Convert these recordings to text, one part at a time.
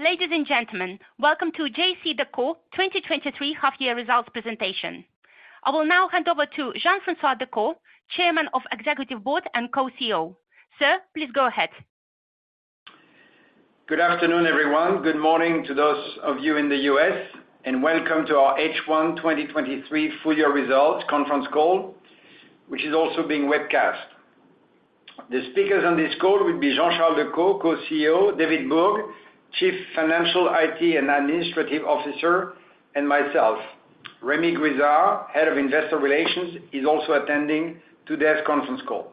Ladies and gentlemen, welcome to JCDecaux 2023 Half Year Results Presentation. I will now hand over to Jean-François Decaux; Chairman of Executive Board and Co-CEO. Sir, please go ahead. Good afternoon, everyone. Good morning to those of you in the U.S., welcome to our H1 2023 Full-Year Results Conference Call, which is also being webcast. The speakers on this call will be Jean-Charles Decaux; Co-CEO, David Bourg; Chief Financial, IT, and Administrative Officer, and myself. Rémi Grisard; Head of Investor Relations, is also attending today's conference call.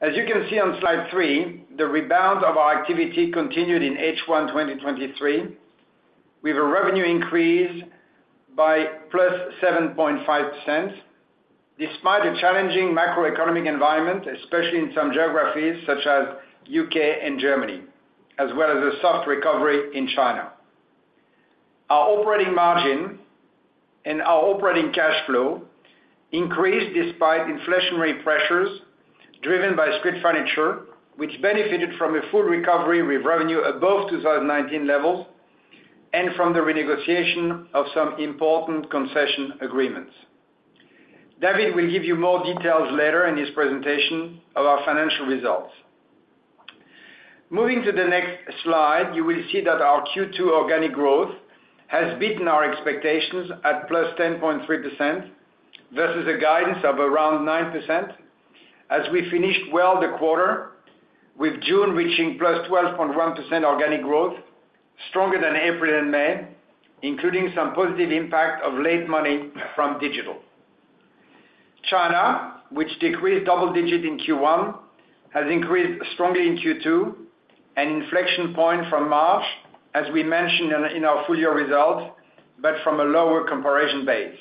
As you can see on slide three, the rebound of our activity continued in H1 2023, with a revenue increase by +7.5%, despite a challenging macroeconomic environment, especially in some geographies such as U.K. and Germany, as well as a soft recovery in China. Our operating margin and our operating cash flow increased despite inflationary pressures driven by street furniture, which benefited from a full recovery with revenue above 2019 levels, from the renegotiation of some important concession agreements. David will give you more details later in his presentation of our financial results. Moving to the next slide, you will see that our Q2 organic growth has beaten our expectations at +10.3% versus a guidance of around 9%, as we finished well the quarter, with June reaching +12.1% organic growth, stronger than April and May, including some positive impact of late money from digital. China, which decreased double-digit in Q1, has increased strongly in Q2, an inflection point from March, as we mentioned in our full year result, but from a lower comparison base.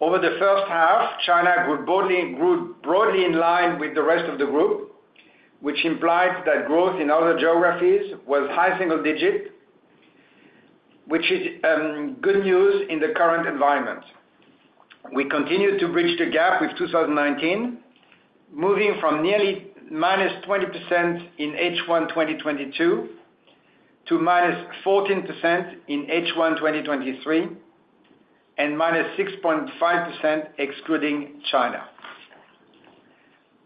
Over the first half, China grew broadly in line with the rest of the group, which implies that growth in other geographies was high single-digit, which is good news in the current environment. We continue to bridge the gap with 2019, moving from nearly -20% in H1 2022 to -14% in H1 2023, and -6.5%, excluding China.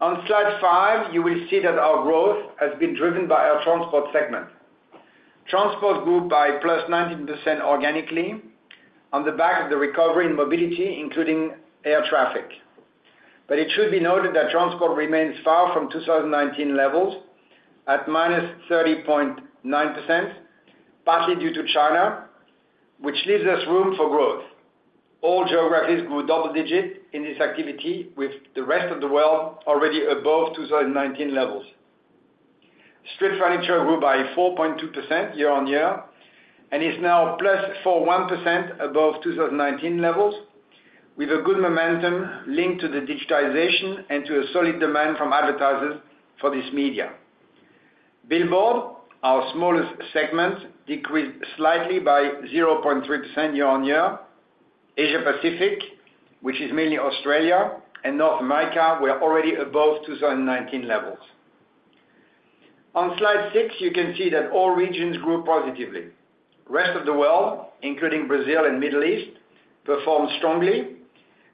On slide 5, you will see that our growth has been driven by our transport segment. Transport grew by +19% organically on the back of the recovery in mobility, including air traffic. It should be noted that transport remains far from 2019 levels at -30.9%, partly due to China, which leaves us room for growth. All geographies grew double-digit in this activity with the rest of the world already above 2019 levels. Street furniture grew by 4.2% year-over-year, is now +41% above 2019 levels, with a good momentum linked to the digitization and to a solid demand from advertisers for this media. Billboard, our smallest segment, decreased slightly by 0.3% year-over-year. Asia Pacific, which is mainly Australia and North America, we're already above 2019 levels. On slide six, you can see that all regions grew positively. Rest of the world, including Brazil and Middle East, performed strongly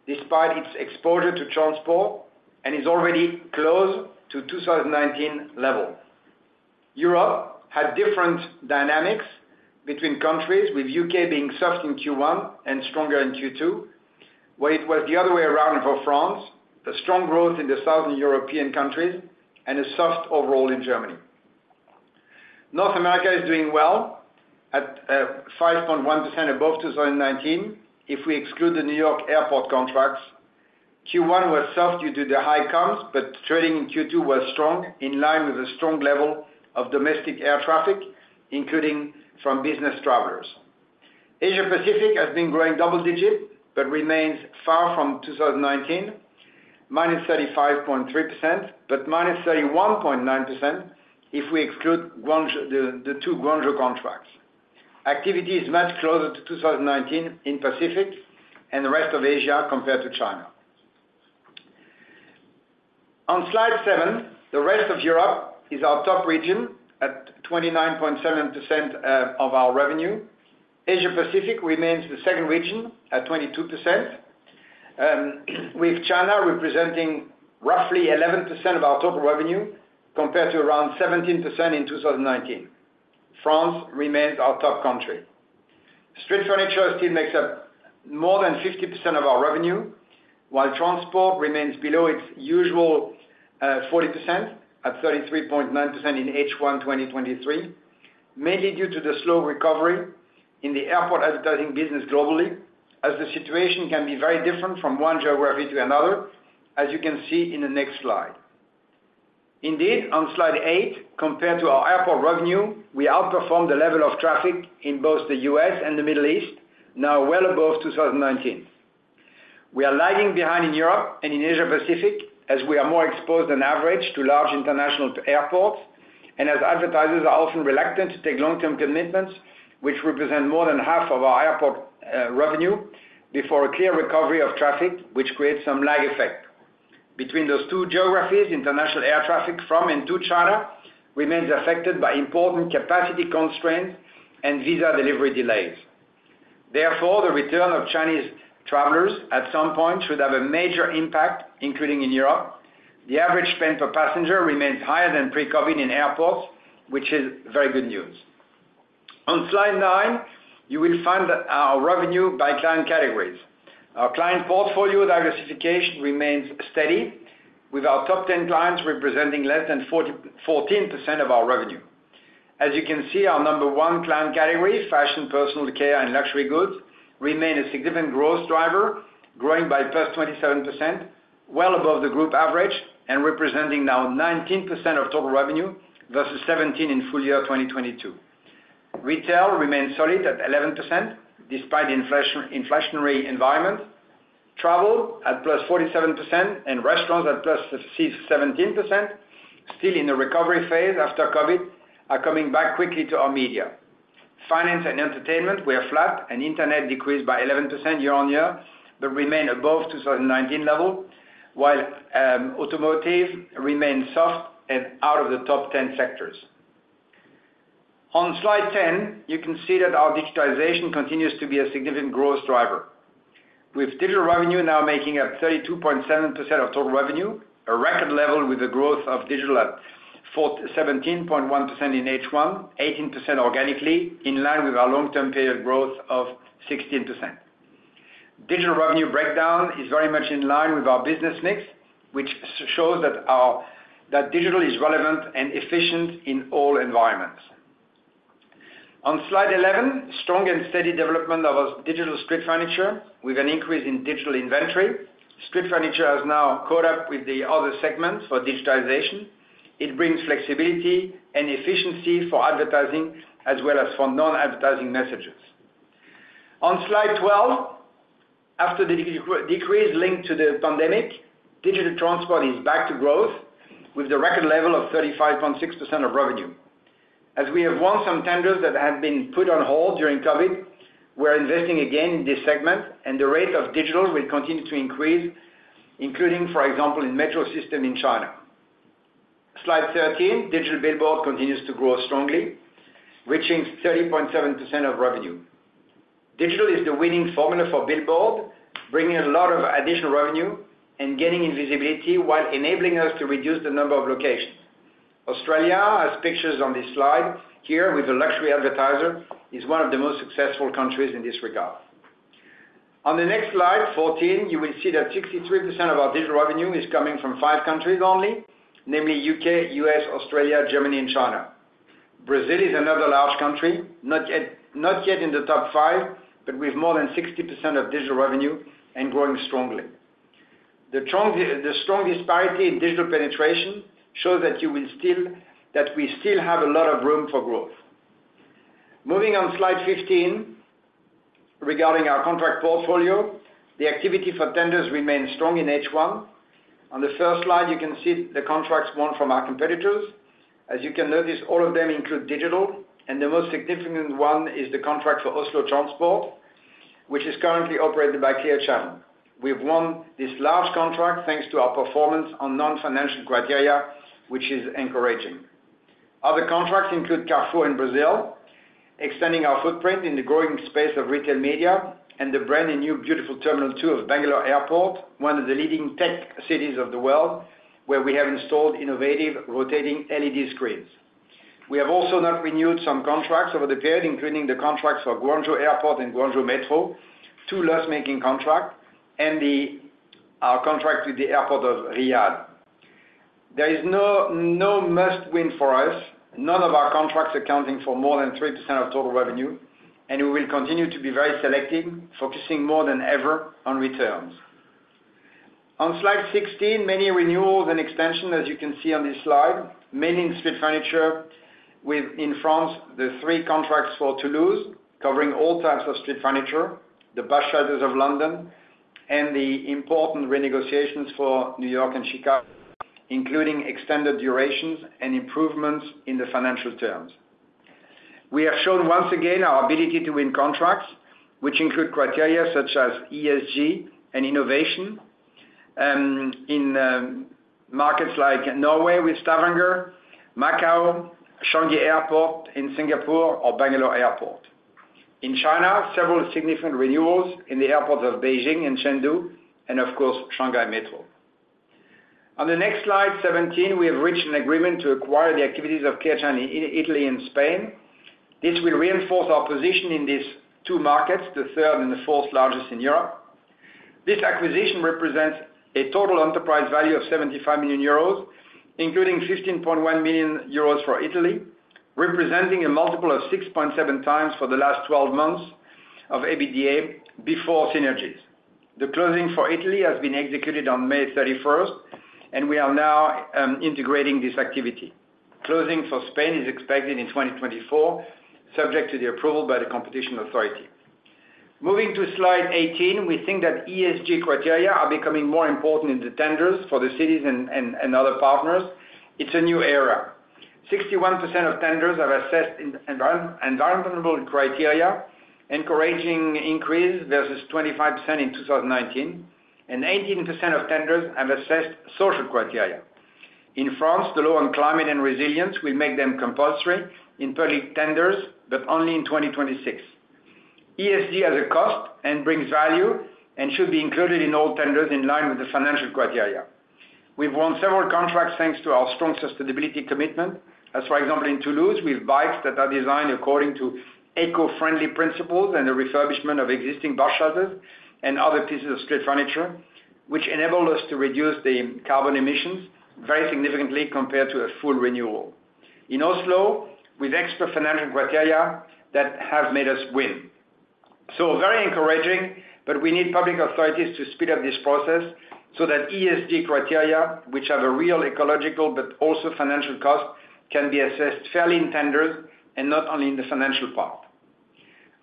despite its exposure to transport and is already close to 2019 level. Europe had different dynamics between countries, with U.K. being soft in Q1 and stronger in Q2, where it was the other way around for France, a strong growth in the Southern European countries and a soft overall in Germany. North America is doing well at 5.1% above 2019, if we exclude the New York airport contracts. Q1 was soft due to the high comps, trading in Q2 was strong, in line with a strong level of domestic air traffic, including from business travelers. Asia Pacific has been growing double digit, but remains far from 2019, -35.3%, but -31.9%, if we exclude Guangzhou, the two Guangzhou contracts. Activity is much closer to 2019 in Pacific and the rest of Asia compared to China. On slide seven, the rest of Europe is our top region at 29.7% of our revenue. Asia Pacific remains the second region at 22% with China representing roughly 11% of our total revenue, compared to around 17% in 2019. France remains our top country. Street furniture still makes up more than 50% of our revenue, while transport remains below its usual 40%, at 33.9% in H1 2023, mainly due to the slow recovery in the airport advertising business globally, as the situation can be very different from one geography to another, as you can see in the next slide. On slide eight, compared to our airport revenue, we outperformed the level of traffic in both the U.S. and the Middle East, now well above 2019. We are lagging behind in Europe and in Asia Pacific, as we are more exposed than average to large international to airports, and as advertisers are often reluctant to take long-term commitments, which represent more than half of our airport revenue, before a clear recovery of traffic, which creates some lag effect. Between those two geographies, international air traffic from and to China remains affected by important capacity constraints and visa delivery delays. Therefore, the return of Chinese travelers at some point should have a major impact, including in Europe. The average spend per passenger remains higher than pre-COVID in airports, which is very good news. On slide nine, you will find our revenue by client categories. Our client portfolio diversification remains steady, with our top 10 clients representing less than 14% of our revenue. As you can see, our number one client category, fashion, personal care, and luxury goods, remain a significant growth driver, growing by +27%, well above the group average and representing now 19% of total revenue, versus 17% in full year 2022. Retail remains solid at 11%, despite the inflationary environment. Travel at +47% and restaurants at +17%, still in a recovery phase after COVID, are coming back quickly to our media. Finance and entertainment, we are flat, and internet decreased by 11% year-on-year, but remain above 2019 level, while automotive remains soft and out of the top 10 sectors. On slide 10, you can see that our digitalization continues to be a significant growth driver. With digital revenue now making up 32.7% of total revenue, a record level with the growth of digital at 17.1% in H1, 18% organically, in line with our long-term period growth of 16%. Digital revenue breakdown is very much in line with our business mix, which shows that digital is relevant and efficient in all environments. On slide 11, strong and steady development of our digital street furniture with an increase in digital inventory. Street furniture has now caught up with the other segments for digitalization. It brings flexibility and efficiency for advertising, as well as for non-advertising messages. On slide 12, after the decrease linked to the pandemic, digital transport is back to growth, with the record level of 35.6% of revenue. As we have won some tenders that have been put on hold during COVID, we're investing again in this segment. The rate of digital will continue to increase, including, for example, in metro system in China. Slide 13, digital billboard continues to grow strongly, reaching 30.7% of revenue. Digital is the winning formula for billboard, bringing a lot of additional revenue and gaining in visibility while enabling us to reduce the number of locations. Australia, as pictured on this slide here with a luxury advertiser, is one of the most successful countries in this regard. On the next slide, 14, you will see that 63% of our digital revenue is coming from five countries only, namely U.K, U.S, Australia, Germany, and China. Brazil is another large country, not yet in the top five, but with more than 60% of digital revenue and growing strongly. The strong disparity in digital penetration shows that we still have a lot of room for growth. Moving on slide 15, regarding our contract portfolio, the activity for tenders remains strong in H1. On the first slide, you can see the contracts won from our competitors. As you can notice, all of them include digital, and the most significant one is the contract for Oslo Transport, which is currently operated by Clear Channel. We've won this large contract thanks to our performance on non-financial criteria, which is encouraging. Other contracts include Carrefour in Brazil, extending our footprint in the growing space of retail media, and the brand-new, beautiful Terminal 2 of Bangalore Airport, one of the leading tech cities of the world, where we have installed innovative rotating LED screens. We have also not renewed some contracts over the period, including the contracts for Guangzhou Airport and Guangzhou Metro, 2 loss-making contract, and the contract with the Airport of Riyadh. There is no must-win for us, none of our contracts accounting for more than 3% of total revenue. We will continue to be very selective, focusing more than ever on returns. On slide 16, many renewals and extension, as you can see on this slide, mainly in street furniture with, in France, the three contracts for Toulouse, covering all types of street furniture, the bus shelters of London, and the important renegotiations for New York and Chicago, including extended durations and improvements in the financial terms. We have shown once again our ability to win contracts, which include criteria such as ESG and innovation, in markets like Norway with Stavanger, Macau, Changi Airport in Singapore, or Bangalore Airport. In China, several significant renewals in the airports of Beijing and Chengdu, and of course, Shanghai Metro. On the next slide, 17, we have reached an agreement to acquire the activities of Clear Channel in, Italy and Spain. This will reinforce our position in these two markets, the third and the fourth largest in Europe. This acquisition represents a total enterprise value of 75 million euros, including 15.1 million euros for Italy, representing a multiple of 6.7x for the last 12 months of ABDA before synergies. The closing for Italy has been executed on May 31st, we are now integrating this activity. Closing for Spain is expected in 2024, subject to the approval by the competition authority. Moving to slide 18, we think that ESG criteria are becoming more important in the tenders for the cities and other partners. It's a new era. 61% of tenders have assessed environmental criteria, encouraging increase versus 25% in 2019, 18% of tenders have assessed social criteria. In France, the Climate and Resilience Law will make them compulsory in public tenders, only in 2026. ESG has a cost and brings value and should be included in all tenders in line with the financial criteria. We've won several contracts thanks to our strong sustainability commitment, as for example, in Toulouse, with bikes that are designed according to eco-friendly principles and the refurbishment of existing bus shelters and other pieces of street furniture, which enabled us to reduce the carbon emissions very significantly compared to a full renewal. In Oslo, with extra financial criteria that have made us win. Very encouraging. We need public authorities to speed up this process so that ESG criteria, which have a real ecological but also financial cost, can be assessed fairly in tenders and not only in the financial part.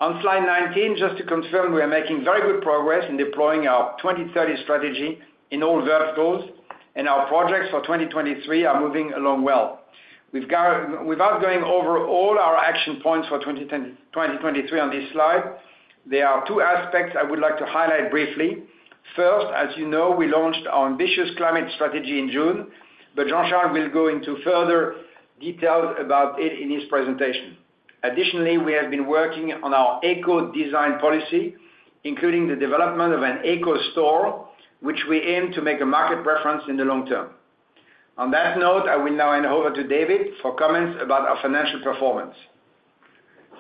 On slide 19, just to confirm, we are making very good progress in deploying our 2030 strategy in all verticals, and our projects for 2023 are moving along well. We've got without going over all our action points for 2010, 2023 on this slide, there are two aspects I would like to highlight briefly. First, as you know, we launched our ambitious climate strategy in June, Jean-Charles will go into further details about it in his presentation. Additionally, we have been working on our eco-design policy, including the development of an eco store, which we aim to make a market reference in the long term. On that note, I will now hand over to David for comments about our financial performance.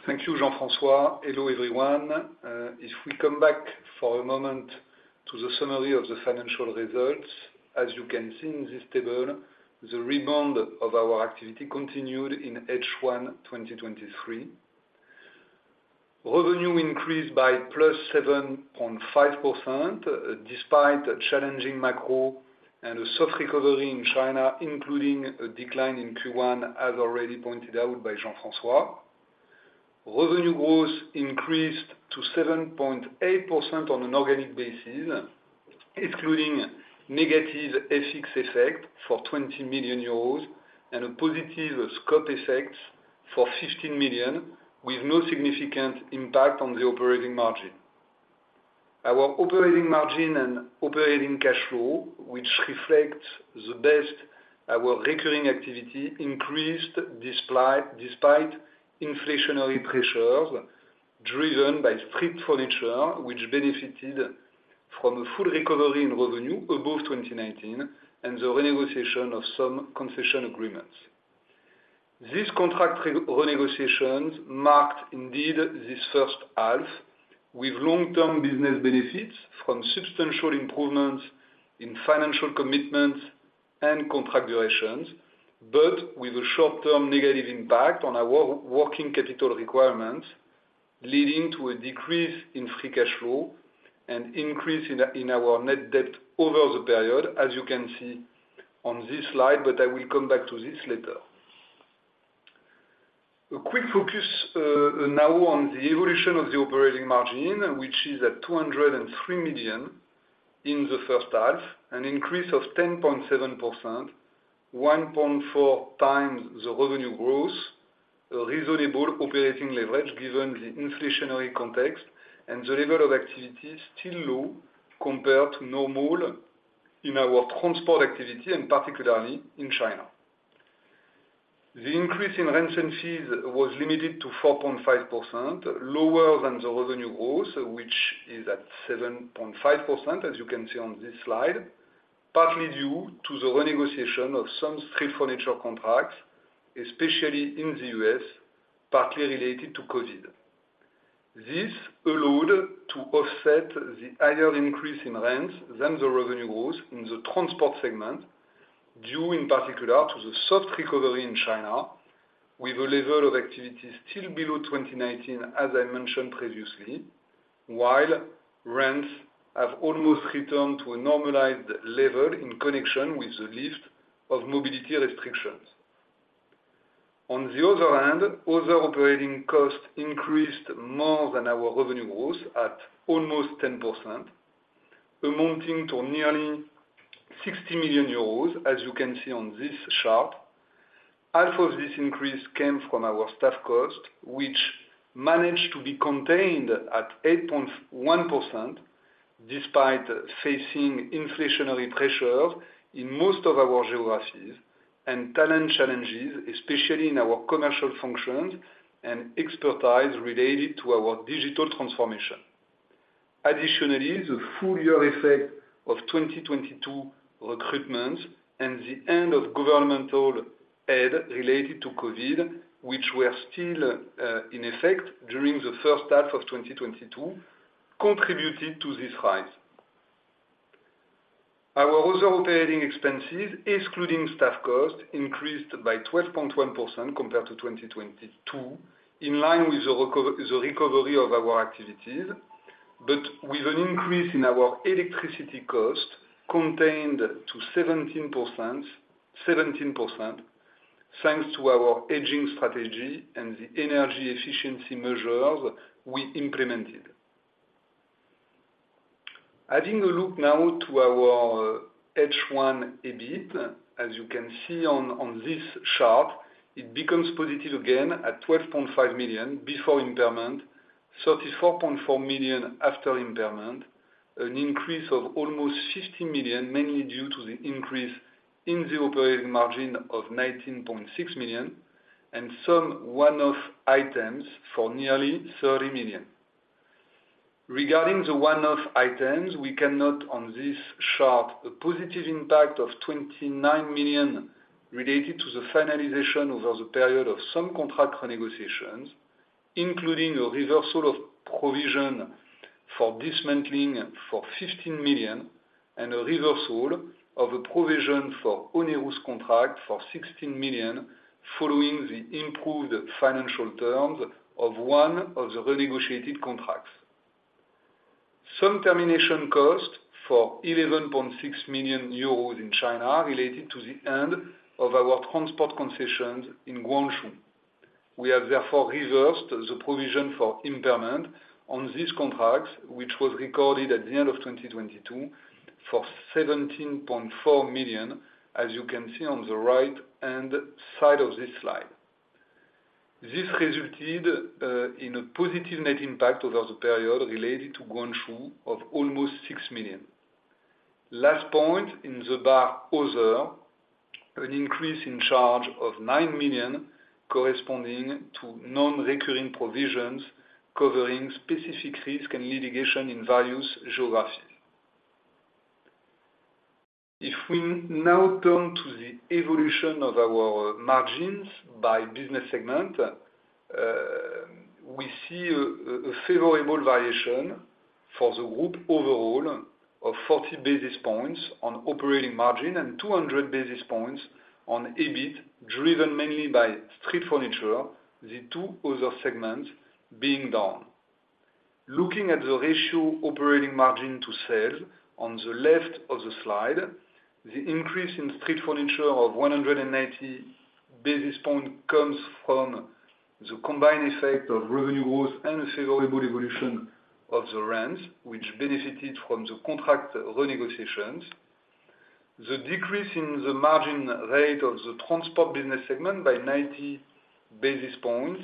Thank you, Jean-François. Hello, everyone. If we come back for a moment to the summary of the financial results, as you can see in this table, the rebound of our activity continued in H1, 2023. Revenue increased by +7.5%, despite a challenging macro and a soft recovery in China, including a decline in Q1, as already pointed out by Jean-François. Revenue growth increased to 7.8% on an organic basis, excluding negative FX effect for 20 million euros and a positive scope effects for 15 million, with no significant impact on the operating margin. Our operating margin and operating cash flow, which reflects the best our recurring activity, increased despite inflationary pressures, driven by street furniture, which benefited from a full recovery in revenue above 2019 and the renegotiation of some concession agreements. These contract renegotiations marked indeed this first half, with long-term business benefits from substantial improvements in financial commitments and contract durations. With a short-term negative impact on our working capital requirements, leading to a decrease in free cash flow and increase in our net debt over the period, as you can see on this slide. I will come back to this later. A quick focus now on the evolution of the operating margin, which is at 203 million in the first half, an increase of 10.7%, 1.4 times the revenue growth, a reasonable operating leverage given the inflationary context and the level of activity still low compared to normal in our transport activity. Particularly in China. The increase in rents and fees was limited to 4.5%, lower than the revenue growth, which is at 7.5%, as you can see on this slide, partly due to the renegotiation of some street furniture contracts, especially in the U.S., partly related to COVID. This allowed to offset the higher increase in rents than the revenue growth in the transport segment, due in particular to the soft recovery in China, with a level of activity still below 2019, as I mentioned previously, while rents have almost returned to a normalized level in connection with the lift of mobility restrictions. Other operating costs increased more than our revenue growth at almost 10%, amounting to nearly 60 million euros, as you can see on this chart. Half of this increase came from our staff cost, which managed to be contained at 8.1%, despite facing inflationary pressures in most of our geographies and talent challenges, especially in our commercial functions and expertise related to our digital transformation. The full year effect of 2022 recruitment and the end of governmental aid related to COVID, which were still in effect during the first half of 2022, contributed to this rise. Our other operating expenses, excluding staff costs, increased by 12.1% compared to 2022, in line with the recovery of our activities, with an increase in our electricity cost contained to 17%, thanks to our hedging strategy and the energy efficiency measures we implemented. Having a look now to our H1 EBIT, as you can see on this chart, it becomes positive again at 12.5 million before impairment, 34.4 million after impairment, an increase of almost 50 million, mainly due to the increase in the operating margin of 19.6 million, and some one-off items for nearly 30 million. Regarding the one-off items, we can note on this chart a positive impact of 29 million related to the finalization over the period of some contract renegotiations, including a reversal of provision for dismantling for 15 million and a reversal of a provision for onerous contract for 16 million following the improved financial terms of one of the renegotiated contracts. Some termination costs for 11.6 million euros in China related to the end of our transport concessions in Guangzhou. We have therefore reversed the provision for impairment on these contracts, which was recorded at the end of 2022 for 17.4 million, as you can see on the right-hand side of this slide. This resulted in a positive net impact over the period related to Guangzhou of almost 6 million. Last point, in the bar other, an increase in charge of 9 million corresponding to non-recurring provisions covering specific risk and litigation in various geographies. We now turn to the evolution of our margins by business segment, we see a favorable variation for the group overall of 40 basis points on operating margin and 200 basis points on EBIT, driven mainly by street furniture, the two other segments being down. Looking at the ratio operating margin to sales on the left of the slide, the increase in street furniture of 190 basis points comes from the combined effect of revenue growth and a favorable evolution of the rents, which benefited from the contract renegotiations. The decrease in the margin rate of the transport business segment by 90 basis points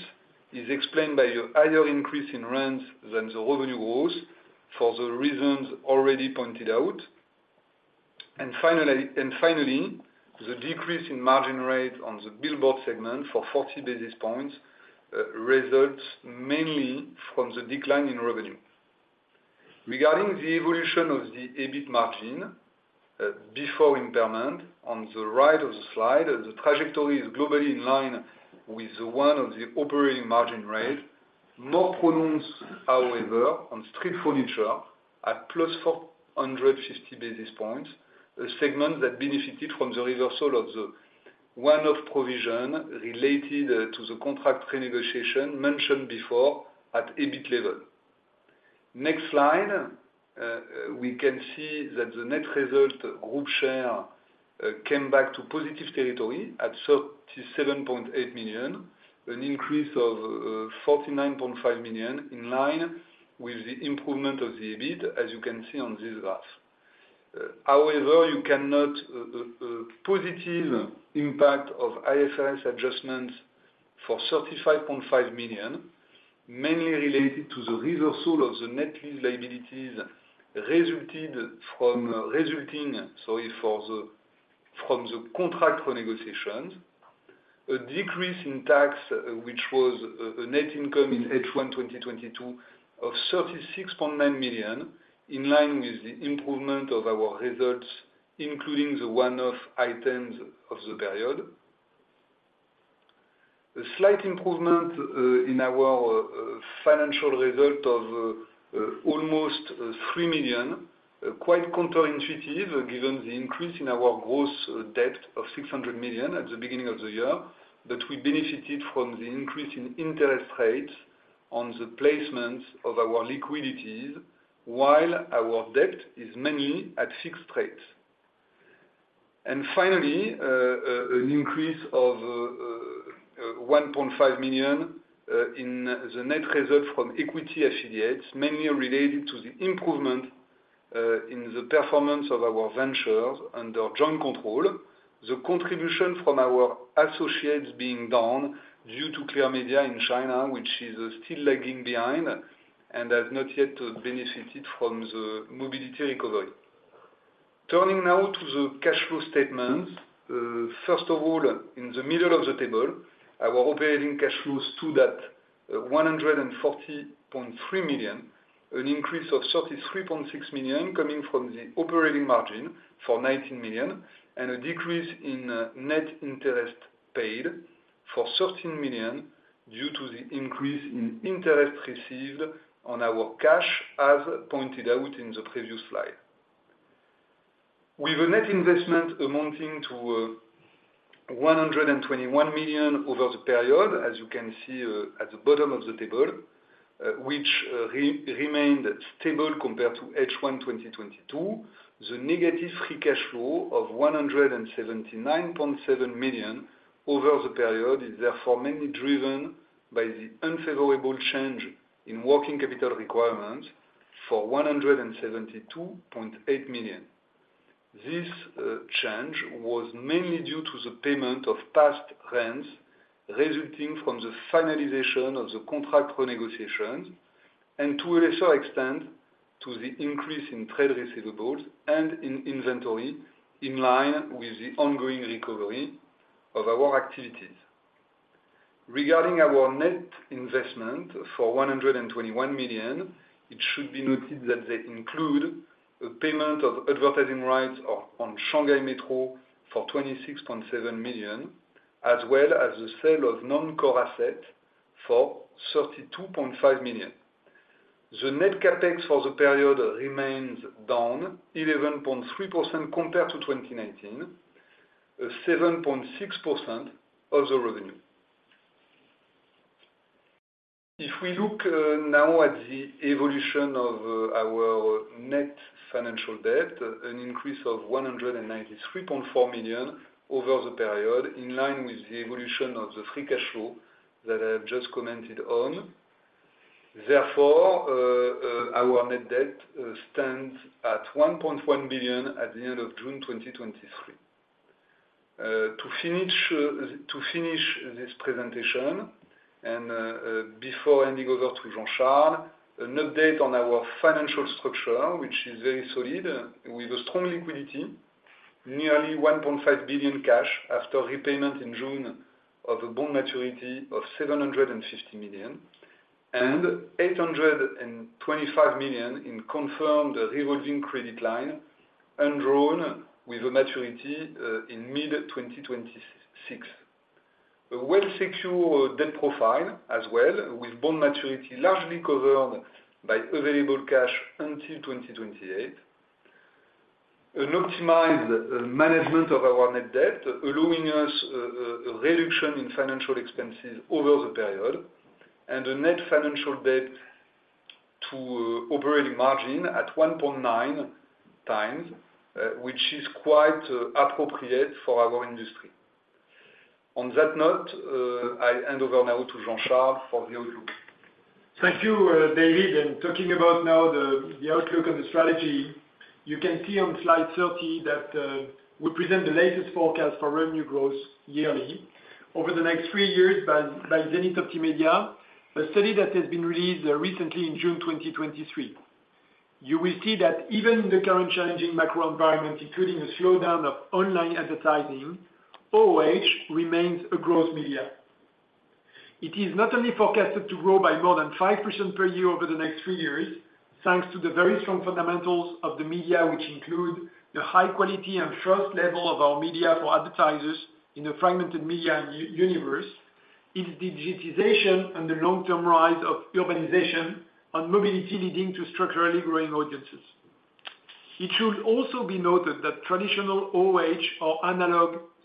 is explained by a higher increase in rents than the revenue growth for the reasons already pointed out. Finally, the decrease in margin rate on the billboard segment for 40 basis points results mainly from the decline in revenue. Regarding the evolution of the EBIT margin before impairment, on the right of the slide, the trajectory is globally in line with the one of the operating margin rate. More pronounced, however, on street furniture at +450 basis points, a segment that benefited from the reversal of the one-off provision related to the contract renegotiation mentioned before at EBIT level. Next slide, we can see that the net result group share came back to positive territory at 37.8 million, an increase of 49.5 million, in line with the improvement of the EBIT, as you can see on this graph. However, you can note a positive impact of IFRS adjustments for 35.5 million, mainly related to the reversal of the net lease liabilities resulting from the contract renegotiations. A decrease in tax, which was a net income in H1 2022 of 36.9 million, in line with the improvement of our results, including the one-off items of the period. A slight improvement in our financial result of almost 3 million, quite counterintuitive, given the increase in our gross debt of 600 million at the beginning of the year, but we benefited from the increase in interest rates on the placements of our liquidities, while our debt is mainly at fixed rates. Finally, an increase of 1.5 million in the net result from equity affiliates, mainly related to the improvement in the performance of our ventures under joint control, the contribution from our associates being down due to Clear Media in China, which is still lagging behind and has not yet benefited from the mobility recovery. Turning now to the cash flow statement. First of all, in the middle of the table, our operating cash flows stood at 140.3 million, an increase of 33.6 million coming from the operating margin for 19 million, and a decrease in net interest paid for 13 million due to the increase in interest received on our cash, as pointed out in the previous slide. With a net investment amounting to 121 million over the period, as you can see at the bottom of the table, which remained stable compared to H1 2022, the negative free cash flow of 179.7 million over the period is therefore mainly driven by the unfavorable change in working capital requirements for 172.8 million. This change was mainly due to the payment of past rents, resulting from the finalization of the contract renegotiations, and to a lesser extent, to the increase in trade receivables and in inventory, in line with the ongoing recovery of our activities. Regarding our net investment for 121 million, it should be noted that they include a payment of advertising rights on Shanghai Metro for 26.7 million, as well as the sale of non-core asset for 32.5 million. The net CapEx for the period remains down 11.3% compared to 2019, 7.6% of the revenue. We look now at the evolution of our net financial debt, an increase of 193.4 million over the period, in line with the evolution of the free cash flow that I have just commented on. Our net debt stands at 1.1 billion at the end of June 2023. To finish this presentation before handing over to Jean-Charles, an update on our financial structure, which is very solid, with strong liquidity, nearly 1.5 billion cash after repayment in June of a bond maturity of 750 million, and 825 million in confirmed revolving credit line and drawn with a maturity in mid-2026. A well-secured debt profile as well, with bond maturity largely covered by available cash until 2028. An optimized management of our net debt, allowing us a reduction in financial expenses over the period, and a net financial debt to operating margin at 1.9 times, which is quite appropriate for our industry. On that note, I hand over now to Jean-Charles for the outlook. Thank you, David. Talking about now the outlook and the strategy, you can see on slide 30 that we present the latest forecast for revenue growth yearly over the next three years by ZenithOptimedia, a study that has been released recently in June 2023. You will see that even in the current changing macro environment, including a slowdown of online advertising, OOH remains a growth media. It is not only forecasted to grow by more than 5% per year over the next three years, thanks to the very strong fundamentals of the media, which include the high quality and trust level of our media for advertisers in a fragmented media universe. Its digitization and the long-term rise of urbanization on mobility, leading to structurally growing audiences. It should also be noted that traditional OOH or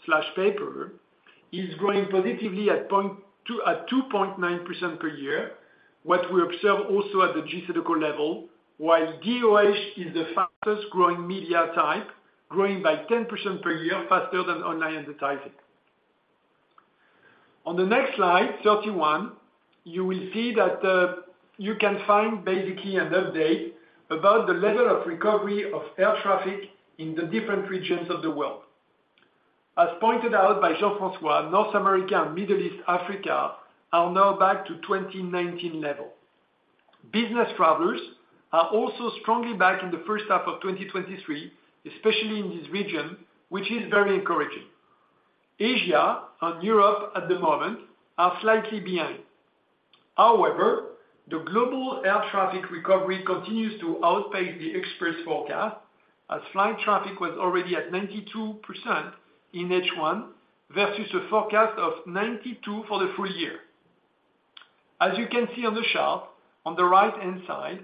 analog/paper is growing positively at 2.9% per year, what we observe also at the JCDecaux level, while DOH is the fastest growing media type, growing by 10% per year faster than online advertising. On the next slide, 31, you will see that you can find basically an update about the level of recovery of air traffic in the different regions of the world. As pointed out by Jean-François, North America and Middle East, Africa are now back to 2019 level. Business travelers are also strongly back in the first half of 2023, especially in this region, which is very encouraging. Asia and Europe at the moment are slightly behind. The global air traffic recovery continues to outpace the express forecast, as flight traffic was already at 92% in H1, versus a forecast of 92 for the full year. As you can see on the chart, on the right-hand side,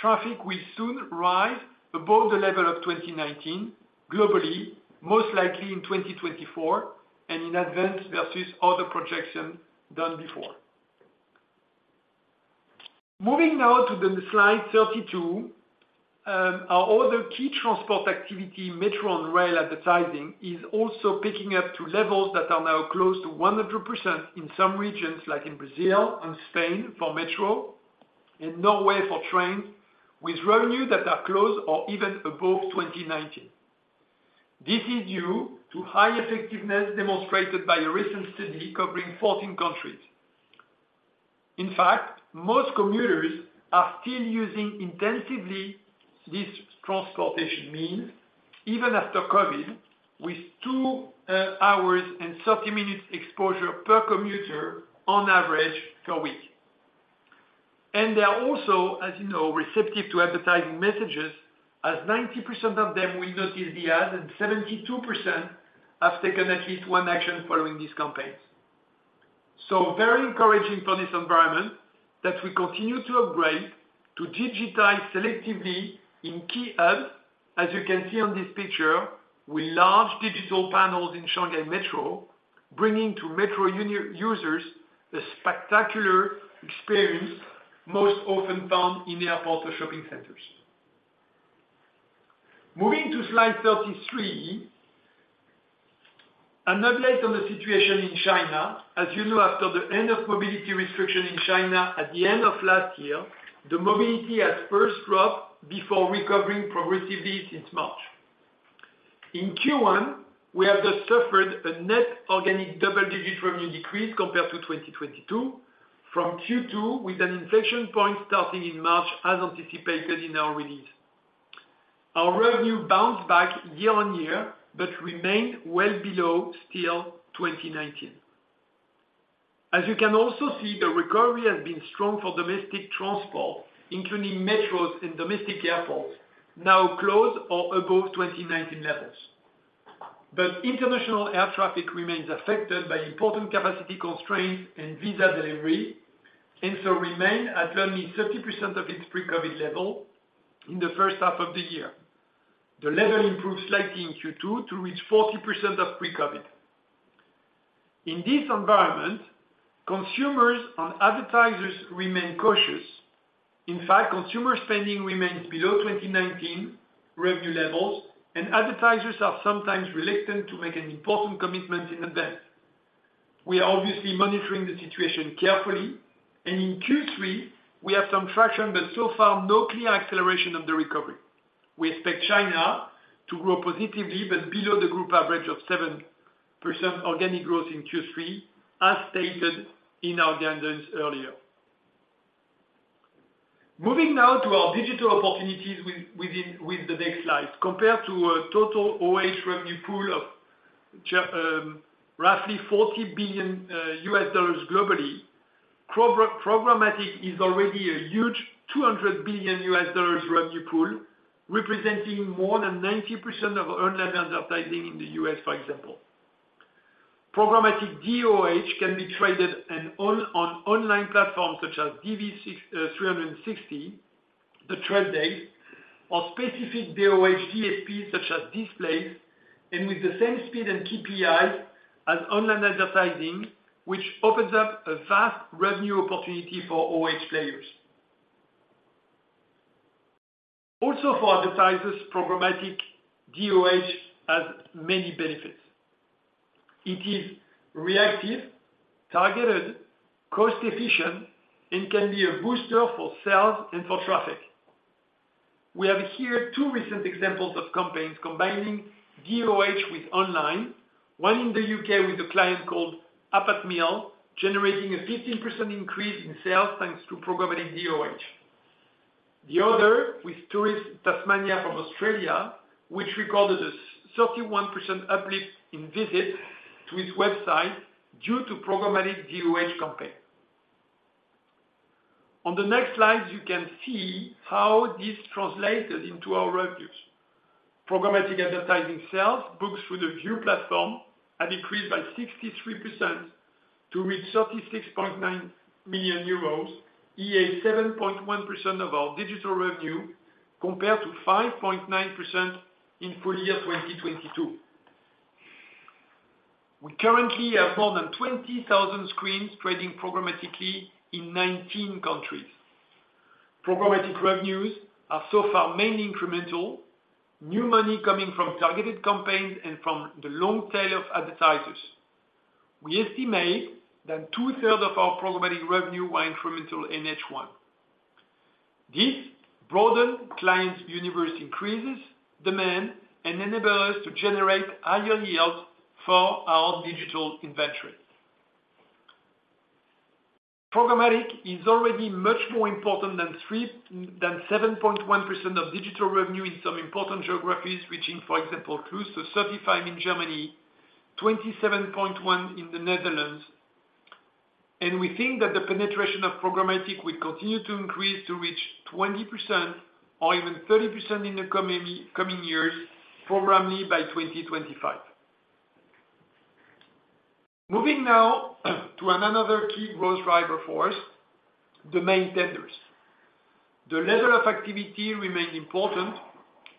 traffic will soon rise above the level of 2019 globally, most likely in 2024, and in advance versus other projections done before. Moving now to the slide 32, our other key transport activity, metro and rail advertising, is also picking up to levels that are now close to 100% in some regions, like in Brazil and Spain for metro, in Norway for trains, with revenue that are close or even above 2019. This is due to high effectiveness demonstrated by a recent study covering 14 countries. In fact, most commuters are still using intensively this transportation means, even after COVID, with two hours and 30 minutes exposure per commuter on average per week. They are also, you know, receptive to advertising messages, as 90% of them will notice the ad, and 72% have taken at least one action following these campaigns. Very encouraging for this environment, that we continue to upgrade to digitize selectively in key hubs, as you can see on this picture, with large digital panels in Shanghai Metro, bringing to metro users a spectacular experience, most often found in airports or shopping centers. Moving to slide 33, an update on the situation in China. You know, after the end of mobility restriction in China at the end of last year, the mobility at first dropped before recovering progressively since March. In Q1, we have just suffered a net organic double-digit revenue decrease compared to 2022 from Q2, with an inflection point starting in March, as anticipated in our release. Our revenue bounced back year on year, remained well below still 2019. As you can also see, the recovery has been strong for domestic transport, including metros and domestic airports, now close or above 2019 levels. International air traffic remains affected by important capacity constraints and visa delivery, so remain at only 30% of its pre-COVID level in the first half of the year. The level improved slightly in Q2 to reach 40% of pre-COVID. In this environment, consumers and advertisers remain cautious. Consumer spending remains below 2019 revenue levels, and advertisers are sometimes reluctant to make an important commitment in advance. We are obviously monitoring the situation carefully, in Q3 we have some traction, but so far no clear acceleration of the recovery. We expect China to grow positively, but below the group average of 7% organic growth in Q3, as stated in our guidance earlier. Moving now to our digital opportunities with the next slide. Compared to a total OH revenue pool of roughly $40 billion globally, programmatic is already a huge $200 billion revenue pool, representing more than 90% of online advertising in the US, for example. Programmatic DOOH can be traded and on online platforms such as DV360, The Trade Desk, or specific DOOH DSPs such as Displayce, and with the same speed and KPIs as online advertising, which opens up a vast revenue opportunity for OOH players. Also, for advertisers, programmatic DOOH has many benefits. It is reactive, targeted, cost-efficient, and can be a booster for sales and for traffic. We have here two recent examples of campaigns combining DOOH with online. One in the U.K. with a client called Aptamil, generating a 15% increase in sales, thanks to programmatic DOOH. The other, with Tourism Tasmania from Australia, which recorded a 31% uplift in visits to its website, due to programmatic DOOH campaign. On the next slide, you can see how this translated into our revenues. Programmatic advertising sales booked through the VIOOH platform have increased by 63% to reach EUR 36.9 million, EAG 7.1% of our digital revenue, compared to 5.9% in full year 2022. We currently have more than 20,000 screens trading programmatically in 19 countries. Programmatic revenues are so far mainly incremental, new money coming from targeted campaigns and from the long tail of advertisers. We estimate that 2/3 of our programmatic revenue are incremental in H1. This broaden clients' universe, increases demand, and enable us to generate higher yields for our digital inventories. Programmatic is already much more important than three, than 7.1% of digital revenue in some important geographies, reaching, for example, close to 35 in Germany, 27.1 in the Netherlands, and we think that the penetration of programmatic will continue to increase to reach 20% or even 30% in the coming years, programmatically by 2025. Moving now, to another key growth driver for us, the main tenders. The level of activity remains important,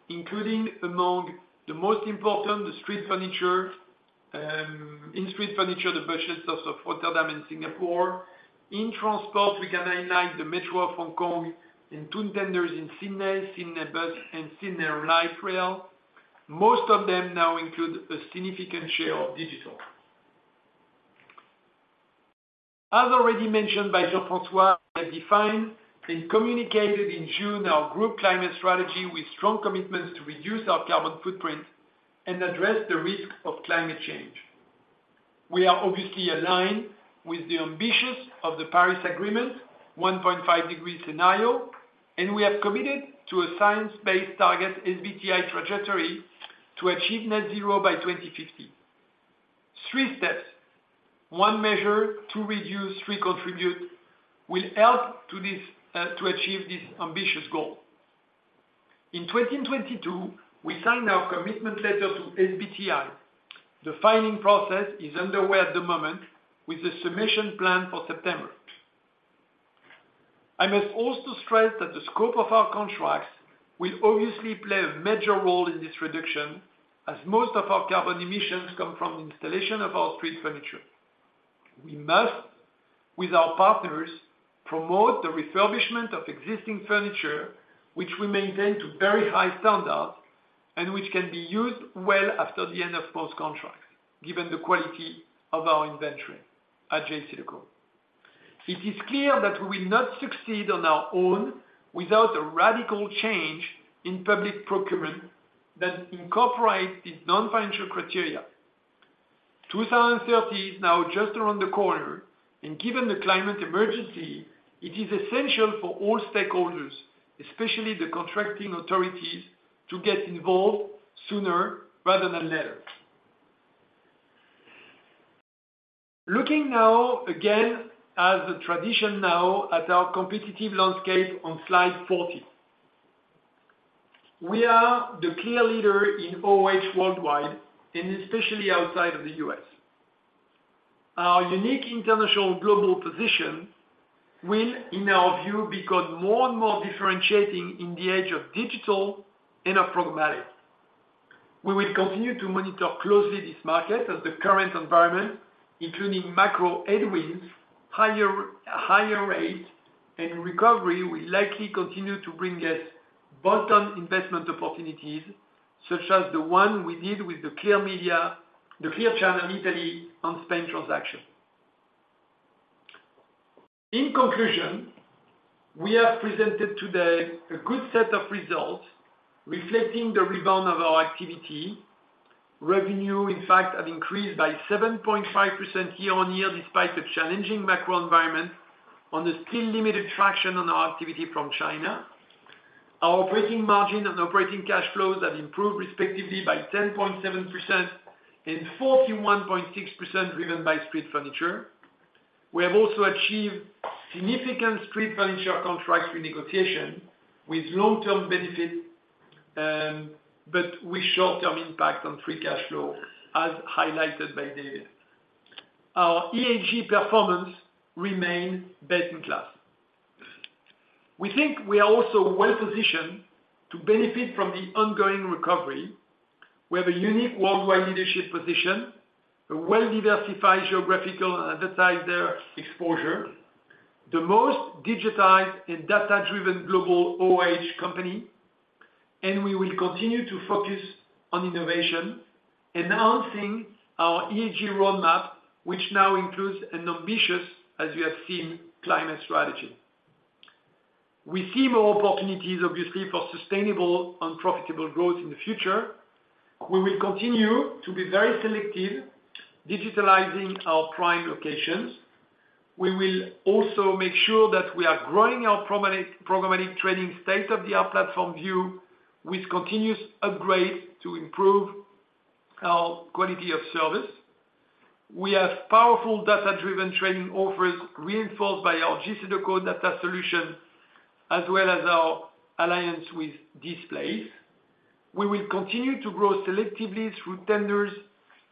including among the most important, the street furniture, in street furniture, the bus shelters of Rotterdam and Singapore. In transport, we can highlight the Metro of Hong Kong and two tenders in Sydney Bus and Sydney Light Rail. Most of them now include a significant share of digital. As already mentioned by Jean-François, we have defined and communicated in June our group climate strategy with strong commitments to reduce our carbon footprint and address the risk of climate change. We are obviously aligned with the ambitions of the Paris Agreement, 1.5 degree scenario, and we have committed to a Science-Based Targets, SBTi, trajectory to achieve net zero by 2050. Three steps: one, measure, two, reduce, three, contribute, will help to achieve this ambitious goal. In 2022, we signed our commitment letter to SBTi. The filing process is underway at the moment with the submission plan for September. I must also stress that the scope of our contracts will obviously play a major role in this reduction, as most of our carbon emissions come from installation of our street furniture. We must, with our partners, promote the refurbishment of existing furniture, which we maintain to very high standards, and which can be used well after the end of post contracts, given the quality of our inventory at JCDecaux. It is clear that we will not succeed on our own without a radical change in public procurement that incorporates these non-financial criteria. 2030 is now just around the corner. Given the climate emergency, it is essential for all stakeholders, especially the contracting authorities, to get involved sooner rather than later. Looking now, again, as a tradition now at our competitive landscape on slide 14. We are the clear leader in OH worldwide, and especially outside of the US. Our unique international global position will, in our view, become more and more differentiating in the age of digital and of programmatic. We will continue to monitor closely this market as the current environment, including macro headwinds, higher rate and recovery, will likely continue to bring us bolt-on investment opportunities, such as the one we did with the Clear Channel Italy and Spain transaction. We have presented today a good set of results, reflecting the rebound of our activity. Revenue, in fact, have increased by 7.5% year-on-year, despite the challenging macro environment on the still limited traction on our activity from China. Our operating margin and operating cash flows have improved, respectively by 10.7% and 41.6%, driven by street furniture. We have also achieved significant street furniture contracts renegotiation with long-term benefit, but with short-term impact on free cash flow, as highlighted by David. Our EAG performance remain best in class. We think we are also well positioned to benefit from the ongoing recovery. We have a unique worldwide leadership position, a well-diversified geographical advertiser exposure, the most digitized and data-driven global OOH company, and we will continue to focus on innovation, announcing our EAG roadmap, which now includes an ambitious, as you have seen, climate strategy. We see more opportunities, obviously, for sustainable and profitable growth in the future. We will continue to be very selective, digitalizing our prime locations. We will also make sure that we are growing our programmatic trading state-of-the-art platform view, with continuous upgrades to improve our quality of service. We have powerful data-driven trading offers, reinforced by our JCDecaux Data Solutions, as well as our alliance with Displayce. We will continue to grow selectively through tenders,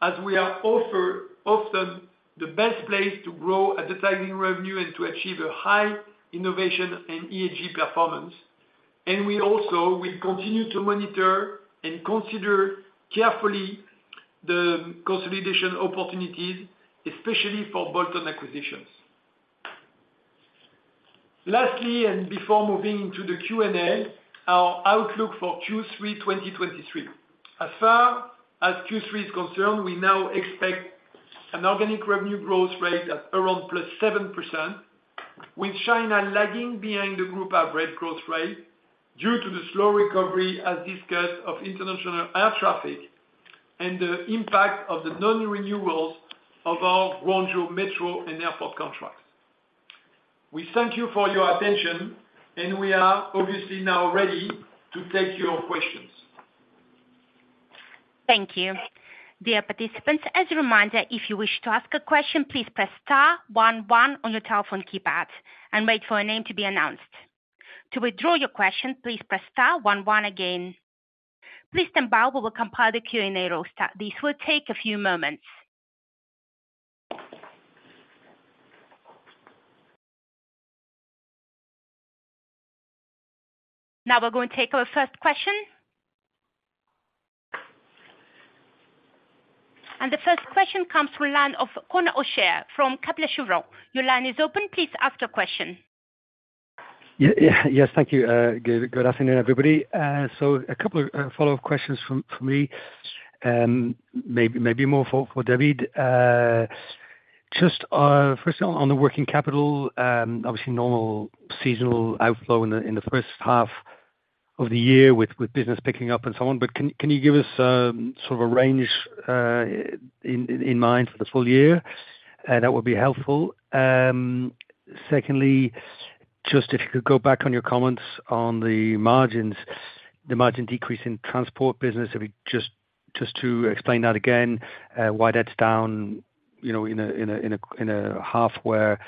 as we are offered often the best place to grow advertising revenue and to achieve a high innovation and EAG performance. We also will continue to monitor and consider carefully the consolidation opportunities, especially for bolt-on acquisitions. Lastly, and before moving into the Q&A, our outlook for Q3, 2023. As far as Q3 is concerned, we now expect an organic revenue growth rate of around +7%, with China lagging behind the group average growth rate due to the slow recovery, as discussed, of international air traffic and the impact of the non-renewals of our Guangzhou Metro and Airport contracts. We thank you for your attention, and we are obviously now ready to take your questions. Thank you. Dear participants, as a reminder, if you wish to ask a question, please press star one, one on your telephone keypad and wait for a name to be announced. To withdraw your question, please press star one, one again. Please stand by, we will compile the Q&A roster. This will take a few moments. We're going to take our first question. The first question comes from line of Conor O'Shea, from Kepler Cheuvreux. Your line is open, please ask your question. Yes, thank you. Good afternoon, everybody. A couple of follow-up questions from me, maybe more for David. Just first on the working capital, obviously normal seasonal outflow in the first half of the year with business picking up and so on, but can you give us sort of a range in mind for the full year? That would be helpful. Secondly, just if you could go back on your comments on the margins, the margin decrease in transport business, if we just to explain that again, why that's down, you know, in a half where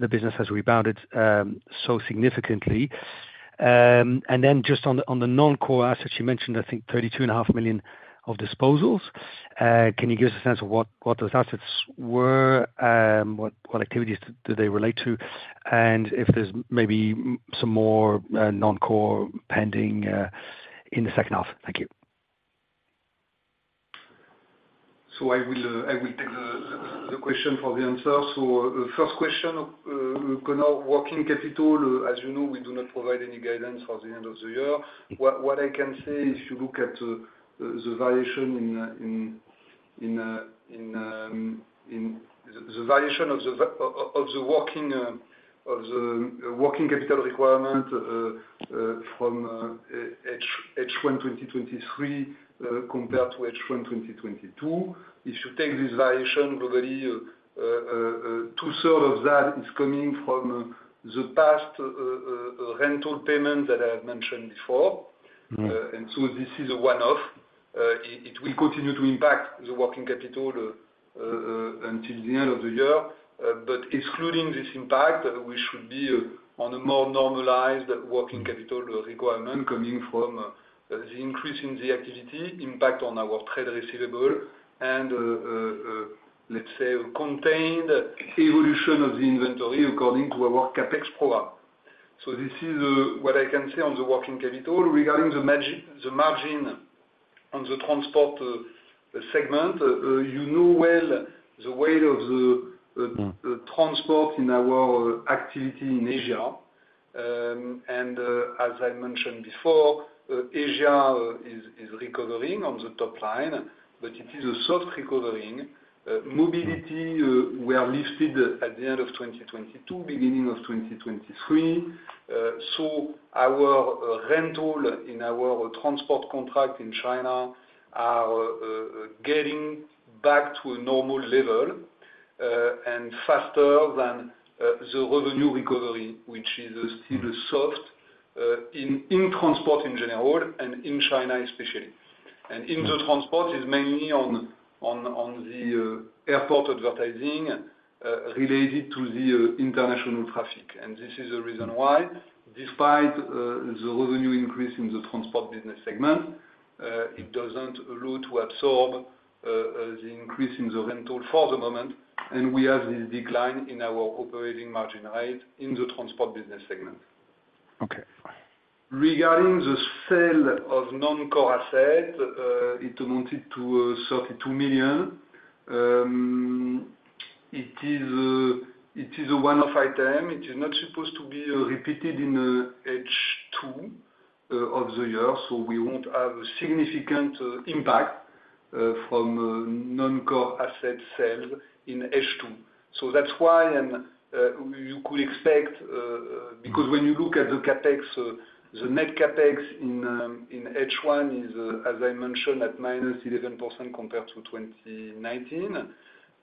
the business has rebounded so significantly. Just on the non-core assets, you mentioned, I think thirty-two and a half million of disposals. Can you give us a sense of what those assets were? What activities do they relate to? If there's some more non-core pending in the second half? Thank you. I will take the question for the answer. The first question, working capital, as you know, we do not provide any guidance for the end of the year. What I can say, if you look at the variation of the working capital requirement, from H1 2023 compared to H1 2022. If you take this variation, already, two-thirds of that is coming from the past rental payment that I have mentioned before. Mm-hmm. This is a one-off. It will continue to impact the working capital until the end of the year. Excluding this impact, we should be on a more normalized working capital requirement coming from the increase in the activity, impact on our trade receivable, and let's say, contained evolution of the inventory according to our CapEx program. This is what I can say on the working capital. Regarding the margin on the transport segment, you know well the weight of the transport in our activity in Asia. As I mentioned before, Asia is recovering on the top line, but it is a soft recovering. Mobility were lifted at the end of 2022, beginning of 2023. Our rental in our transport contract in China are getting back to a normal level and faster than the revenue recovery, which is still soft in transport in general and in China especially. In the transport is mainly on the airport advertising related to the international traffic. This is the reason why, despite, the revenue increase in the transport business segment, it doesn't allow to absorb, the increase in the rental for the moment, and we have this decline in our operating margin rate in the transport business segment. Okay. Regarding the sale of non-core asset, it amounted to 32 million. It is a one-off item. It is not supposed to be repeated in H2 of the year, we won't have a significant impact from a non-core asset sale in H2. That's why you could expect because when you look at the CapEx, the net CapEx in H1 is, as I mentioned, at -11% compared to 2019.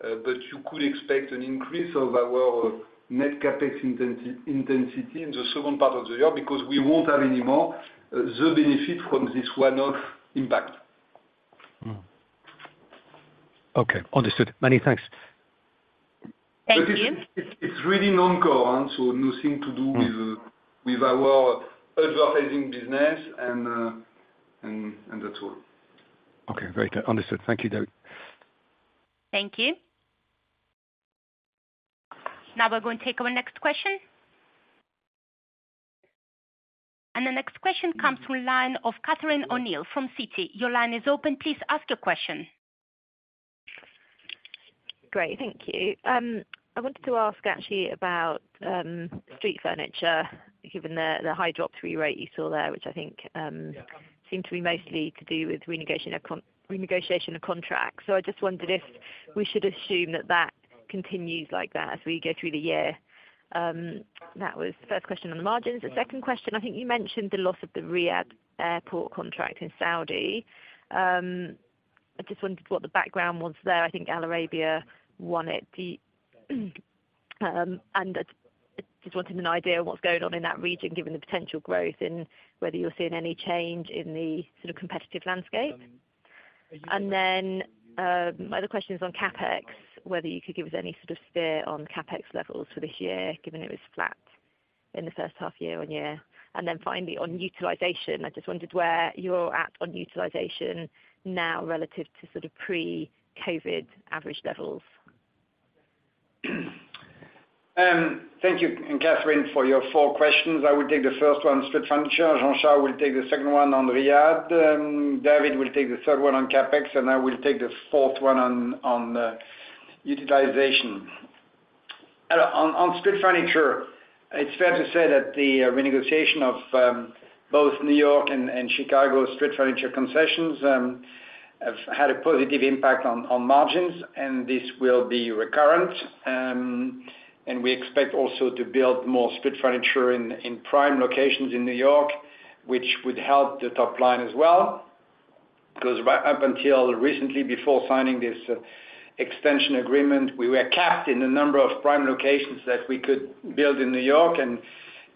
You could expect an increase of our net CapEx intensity in the second part of the year, because we won't have any more the benefit from this one-off impact. Okay, understood. Many thanks. Thank you. It's really non-core, so nothing to do with our advertising business, and that's all. Okay, great. Understood. Thank you, David. Thank you. Now we're going to take our next question. The next question comes from line of Catherine O'Neill from Citi. Your line is open. Please ask your question. Great. Thank you. I wanted to ask actually about street furniture, given the high drop three rate you saw there, which I think seemed to be mostly to do with renegotiation of contracts. I just wondered if we should assume that that continues like that as we go through the year? That was the first question on the margins. The second question, I think you mentioned the loss of the Riyadh airport contract in Saudi. I just wondered what the background was there. I think Al Arabia won it. I just wanted an idea of what's going on in that region, given the potential growth, and whether you're seeing any change in the sort of competitive landscape. My other question is on CapEx, whether you could give us any sort of sphere on CapEx levels for this year, given it was flat in the first half year-on-year? Finally, on utilization, I just wondered where you're at on utilization now relative to sort of pre-COVID average levels? Thank you, Catherine, for your four questions. I will take the first one, street furniture. Jean-Charles will take the second one on Riyadh, David will take the third one on CapEx, I will take the fourth one on utilization. On street furniture, it's fair to say that the renegotiation of both New York and Chicago street furniture concessions have had a positive impact on margins, this will be recurrent. We expect also to build more street furniture in prime locations in New York, which would help the top line as well. Because up until recently, before signing this extension agreement, we were capped in the number of prime locations that we could build in New York.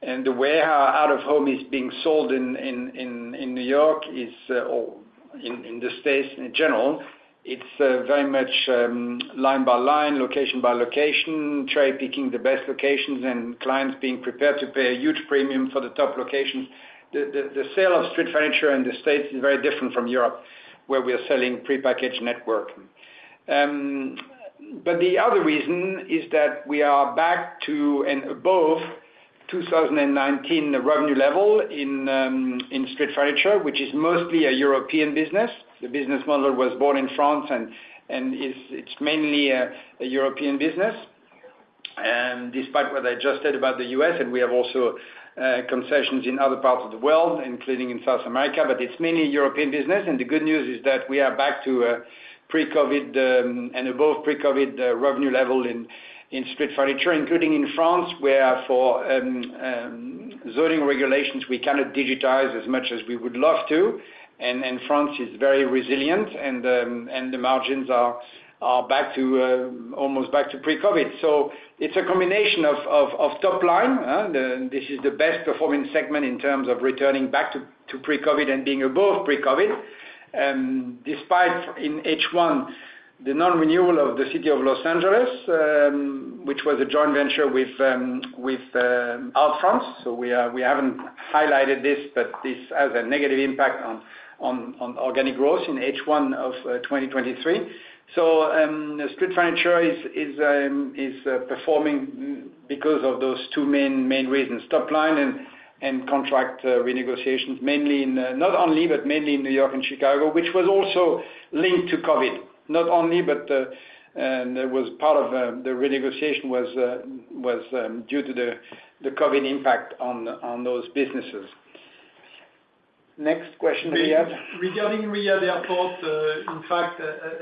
The way our out-of-home is being sold in New York is or in the States in general, it's very much line by line, location by location, trade picking the best locations, and clients being prepared to pay a huge premium for the top locations. The sale of street furniture in the States is very different from Europe, where we are selling prepackaged network. The other reason is that we are back to and above 2019 revenue level in street furniture, which is mostly a European business. The business model was born in France, and it's mainly a European business. Despite what I just said about the U.S., we have also concessions in other parts of the world, including in South America, but it's mainly European business. The good news is that we are back to pre-COVID and above pre-COVID revenue level in street furniture, including in France, where for zoning regulations, we cannot digitize as much as we would love to. France is very resilient, and the margins are almost back to pre-COVID. It's a combination of top line, this is the best performing segment in terms of returning back to pre-COVID and being above pre-COVID. Despite in H1, the non-renewal of the City of Los Angeles, which was a joint venture with Outfront. We haven't highlighted this, but this has a negative impact on organic growth in H1 of 2023. Street furniture is performing because of those two main reasons, top line and contract renegotiations, mainly in not only, but mainly in New York and Chicago, which was also linked to COVID. Not only, but and it was part of the renegotiation was due to the COVID impact on those businesses. Next question, we have? Regarding Riyadh Airport,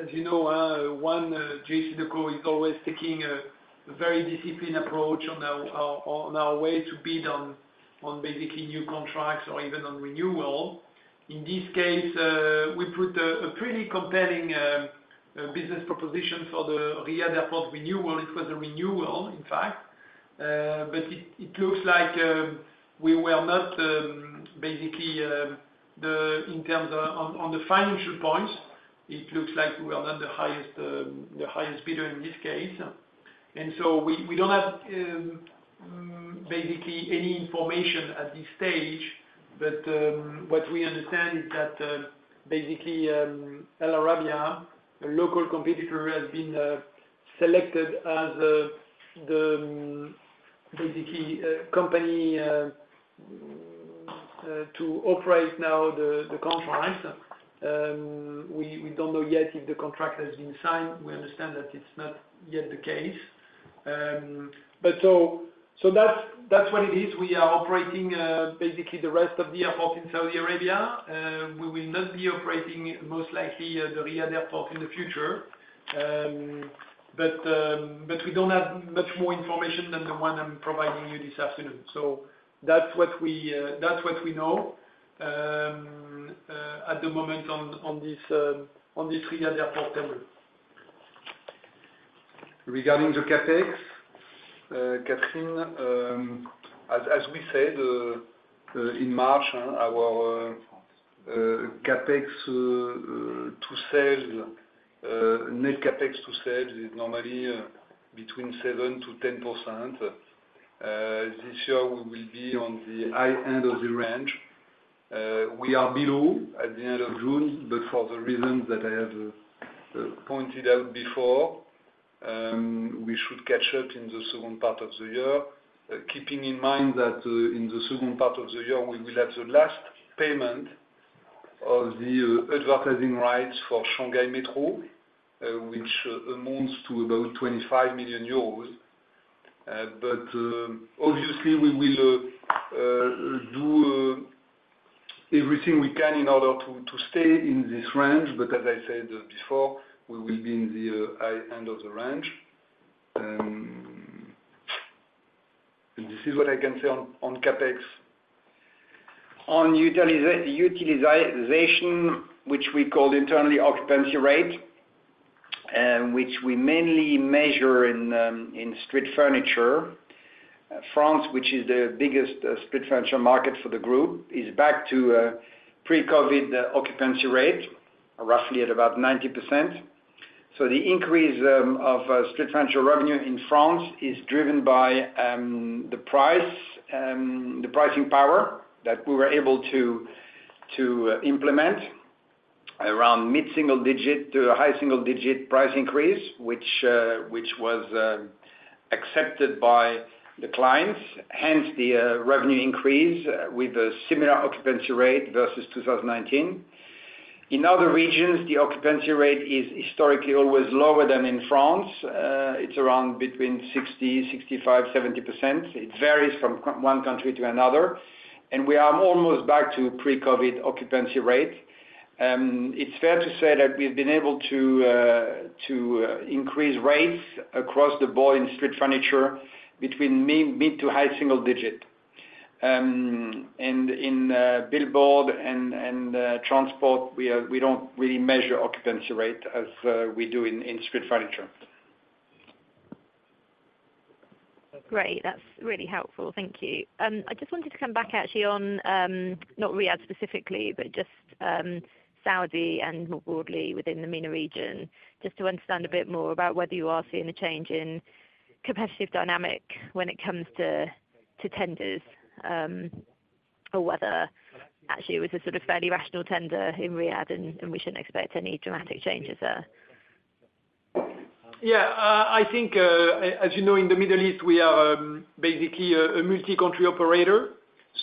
as you know, JCDecaux is always taking a very disciplined approach on our way to bid on basically new contracts or even on renewal. In this case, we put a pretty compelling business proposition for the Riyadh Airport renewal. It was a renewal, in fact. It looks like we were not basically in terms of on the financial points, it looks like we are not the highest bidder in this case. We don't have basically any information at this stage. What we understand is that basically Al Arabiya, a local competitor, has been selected as the basically company to operate now the contract. We don't know yet if the contract has been signed. We understand that it's not yet the case. That's what it is. We are operating basically the rest of the airport in Saudi Arabia. We will not be operating most likely the Riyadh Airport in the future. We don't have much more information than the one I'm providing you this afternoon. That's what we know at the moment on this Riyadh Airport tender. Regarding the CapEx, Catherine, as we said in March, our CapEx to sales, net CapEx to sales is normally between 7%-10%. This year, we will be on the high end of the range. We are below at the end of June, but for the reasons that I have pointed out before, we should catch up in the second part of the year. Keeping in mind that in the second part of the year, we will have the last payment of the advertising rights for Shanghai Metro, which amounts to about 25 million euros. Obviously, we will do everything we can in order to stay in this range, but as I said before, we will be in the high end of the range. This is what I can say on CapEx. On utilization, which we call internally occupancy rate, and which we mainly measure in street furniture, France, which is the biggest street furniture market for the group, is back to pre-COVID occupancy rate, roughly at about 90%. The increase of street furniture revenue in France is driven by the price, the pricing power that we were able to implement around mid-single digit to a high single digit price increase, which was accepted by the clients, hence the revenue increase with a similar occupancy rate versus 2019. In other regions, the occupancy rate is historically always lower than in France. It's around between 60%, 65%, 70%. It varies from one country to another, and we are almost back to pre-COVID occupancy rate. It's fair to say that we've been able to increase rates across the board in street furniture between mid to high single digit. In billboard and transport, we don't really measure occupancy rate as we do in street furniture. Great. That's really helpful. Thank you. I just wanted to come back actually on, not Riyadh specifically, but just Saudi and more broadly within the MENA region, just to understand a bit more about whether you are seeing a change in competitive dynamic when it comes to tenders? Or whether actually it was a sort of fairly rational tender in Riyadh, and we shouldn't expect any dramatic changes there? Yeah. I think, as you know, in the Middle East, we are basically a multi-country operator.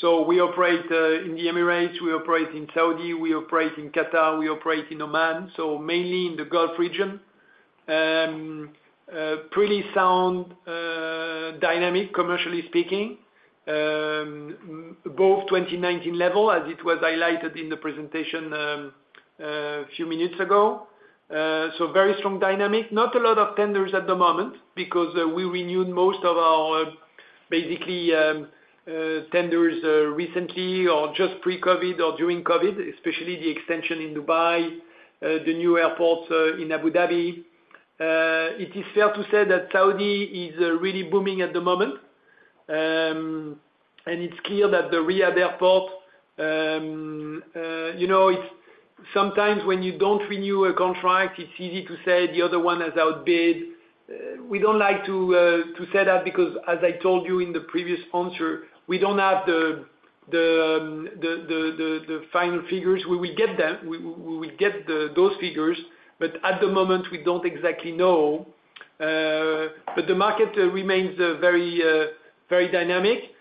We operate in the Emirates, we operate in Saudi, we operate in Qatar, we operate in Oman, so mainly in the Gulf region. Pretty sound dynamic, commercially speaking. Both 2019 level as it was highlighted in the presentation few minutes ago. Very strong dynamic. Not a lot of tenders at the moment because we renewed most of our basically tenders recently, or just pre-COVID or during COVID, especially the extension in Dubai, the new airports in Abu Dhabi. It is fair to say that Saudi is really booming at the moment. It's clear that the Riyadh airport, you know, it's sometimes when you don't renew a contract, it's easy to say the other one has outbid. We don't like to say that because as I told you in the previous answer, we don't have the final figures. We will get them, we will get those figures, but at the moment we don't exactly know. The market remains very dynamic.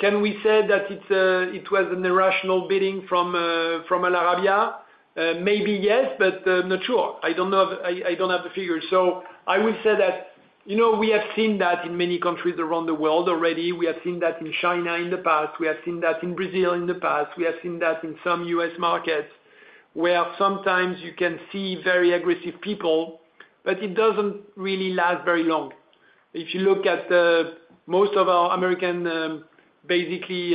Can we say that it was an irrational bidding from Arabiya? Maybe yes, but not sure. I don't know if I don't have the figures. I will say that, you know, we have seen that in many countries around the world already. We have seen that in China in the past, we have seen that in Brazil in the past, we have seen that in some U.S. markets, where sometimes you can see very aggressive people, but it doesn't really last very long. If you look at most of our American, basically,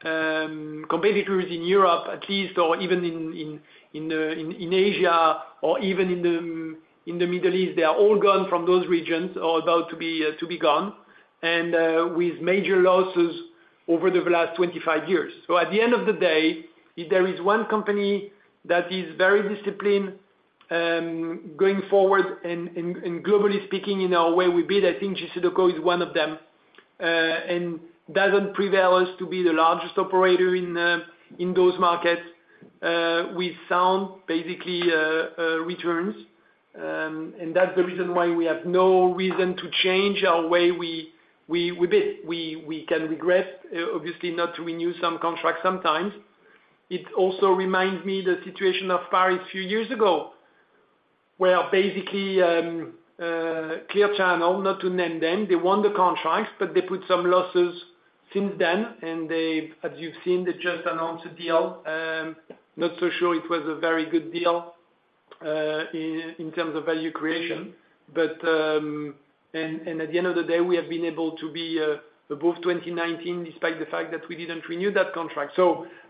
competitors in Europe, at least, or even in Asia, or even in the Middle East, they are all gone from those regions, or about to be gone, and with major losses over the last 25 years. At the end of the day, if there is one company that is very disciplined, going forward and globally speaking, in our way we bid, I think JCDecaux is one of them. Doesn't prevail us to be the largest operator in those markets with sound returns. That's the reason why we have no reason to change our way we bid. We can regret obviously not to renew some contracts sometimes. It also reminds me the situation of Paris a few years ago, where Clear Channel, not to name them, they won the contracts, but they put some losses since then, as you've seen, they just announced a deal. Not so sure it was a very good deal in terms of value creation. At the end of the day, we have been able to be above 2019, despite the fact that we didn't renew that contract.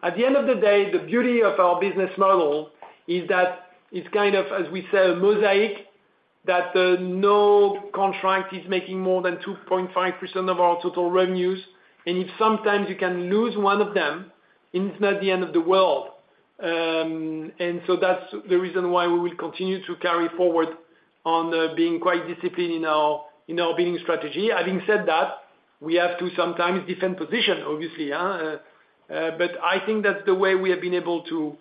At the end of the day, the beauty of our business model is that it's kind of, as we say, a mosaic, that no contract is making more than 2.5% of our total revenues. If sometimes you can lose one of them, it's not the end of the world. That's the reason why we will continue to carry forward on being quite disciplined in our bidding strategy. Having said that, we have to sometimes defend position, obviously, huh? I think that's the way we have been able to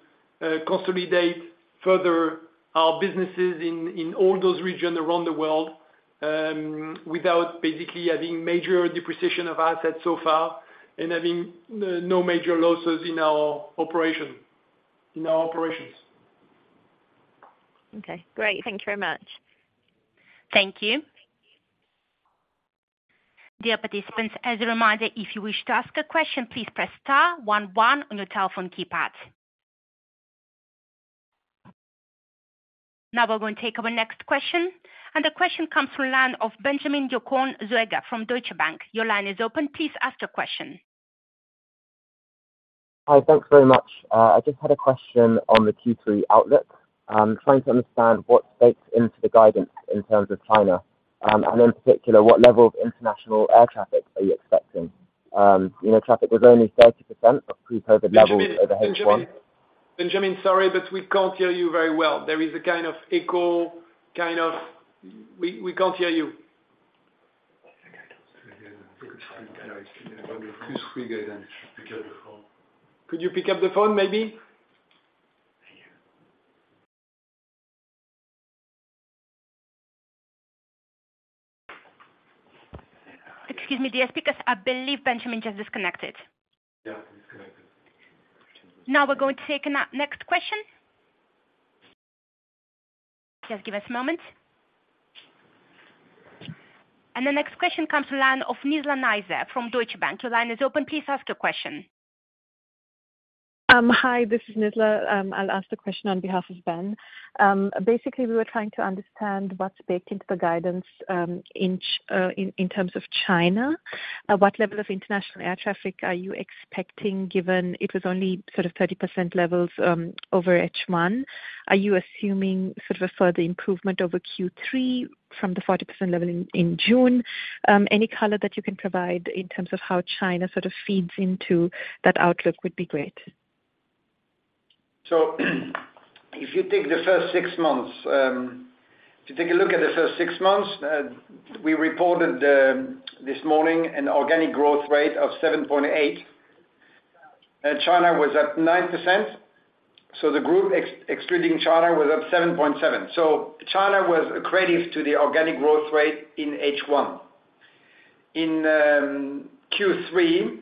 consolidate further our businesses in all those regions around the world, without basically having major depreciation of assets so far, and having no major losses in our operations. Okay, great. Thank you very much. Thank you. Dear participants, as a reminder, if you wish to ask a question, please press star one, one on your telephone keypad. Now we're going to take our next question. The question comes from line of Benjamin Zoega from Deutsche Bank. Your line is open. Please ask your question. Hi. Thanks very much. I just had a question on the Q3 outlook. I'm trying to understand what stakes into the guidance in terms of China, and in particular, what level of international air traffic are you expecting? You know, traffic was only 30% of pre-COVID levels over H1. Benjamin, sorry, but we can't hear you very well. There is a kind of echo. We can't hear you. Could you pick up the phone, maybe? Excuse me, dear speakers, I believe Benjamin just disconnected. Yeah, disconnected. We're going to take a next question. Just give us a moment. The next question comes to line of Nizla Naizer from Deutsche Bank. The line is open, please ask your question. Hi, this is Nidla. I'll ask the question on behalf of Ben. Basically, we were trying to understand what's baked into the guidance in terms of China. What level of international air traffic are you expecting, given it was only sort of 30% levels over H1? Are you assuming sort of a further improvement over Q3 from the 40% level in June? Any color that you can provide in terms of how China sort of feeds into that outlook would be great. If you take the first six months, if you take a look at the first six months, we reported this morning an organic growth rate of 7.8, and China was at 9%, the group excluding China was at 7.7. China was accretive to the organic growth rate in H1. In Q3,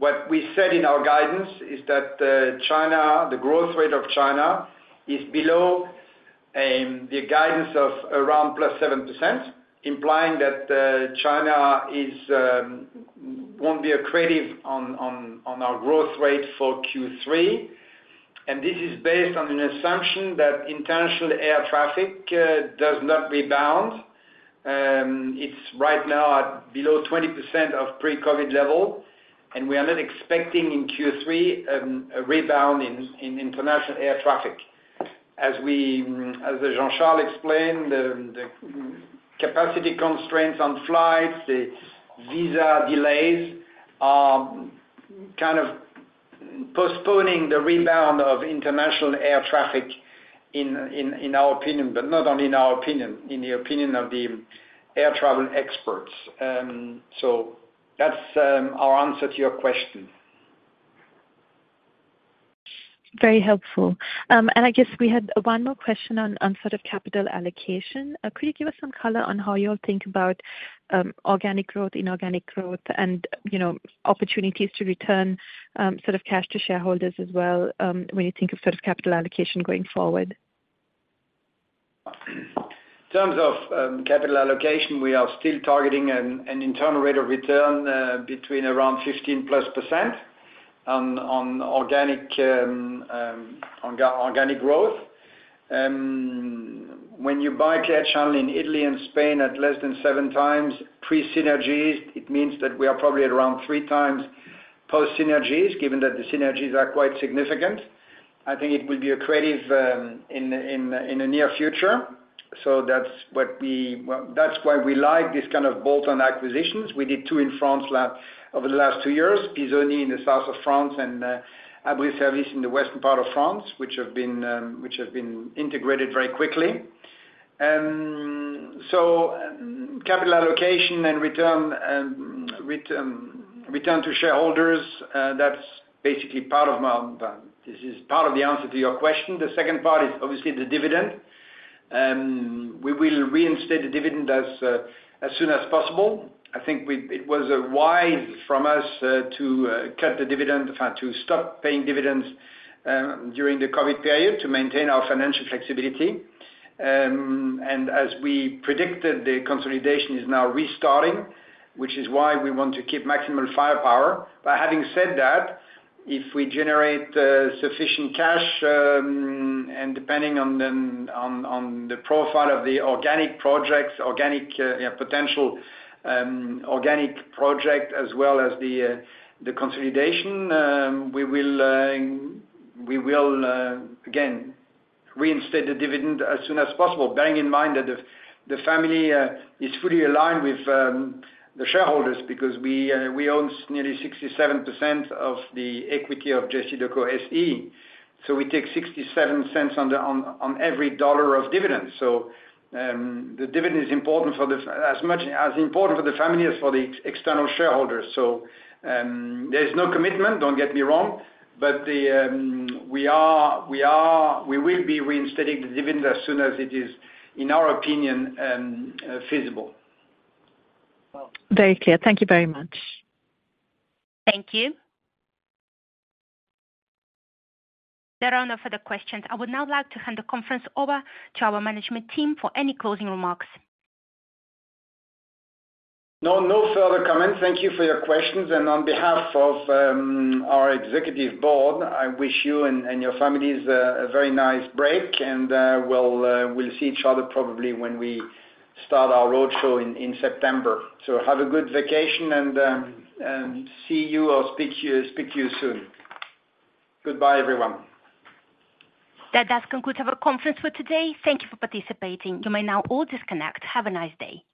what we said in our guidance is that China, the growth rate of China, is below the guidance of around +7%, implying that China is won't be accretive on our growth rate for Q3. This is based on an assumption that international air traffic does not rebound. It's right now at below 20% of pre-COVID level, and we are not expecting in Q3 a rebound in international air traffic. As Jean-Charles explained, the capacity constraints on flights, the visa delays are kind of postponing the rebound of international air traffic in our opinion, but not only in our opinion, in the opinion of the air travel experts. That's our answer to your question. Very helpful. I guess we had one more question on sort of capital allocation. Could you give us some color on how you all think about organic growth, inorganic growth, and, you know, opportunities to return sort of cash to shareholders as well, when you think of sort of capital allocation going forward? In terms of capital allocation, we are still targeting an internal rate of return between around 15%+ on organic growth. When you buy Clear Channel in Italy and Spain at less than seven times pre-synergies, it means that we are probably at around three times post synergies, given that the synergies are quite significant. I think it will be accretive in the near future. That's why we like these kind of bolt-on acquisitions. We did two in France over the last two years, Pisoni in the south of France and Abri Services in the western part of France, which have been integrated very quickly. Capital allocation and return to shareholders, this is part of the answer to your question. The second part is obviously the dividend. We will reinstate the dividend as soon as possible. I think it was a wise from us to cut the dividend to stop paying dividends during the COVID period to maintain our financial flexibility. As we predicted, the consolidation is now restarting, which is why we want to keep maximum firepower. Having said that, if we generate sufficient cash, and depending on the profile of the organic projects, organic potential, organic project, as well as the consolidation, we will again reinstate the dividend as soon as possible. Bearing in mind that the family is fully aligned with the shareholders because we own nearly 67% of the equity of JCDecaux SE. We take 67 cents on every dollar of dividends. The dividend is important for the family as for the external shareholders. There's no commitment, don't get me wrong, but we will be reinstating the dividend as soon as it is, in our opinion, feasible. Very clear. Thank you very much. Thank you. There are no further questions. I would now like to hand the conference over to our management team for any closing remarks. No, further comments. Thank you for your questions. On behalf of our executive board, I wish you and your families a very nice break, we'll see each other probably when we start our roadshow in September. Have a good vacation, and see you or speak to you soon. Goodbye, everyone. That does conclude our conference for today. Thank you for participating. You may now all disconnect. Have a nice day.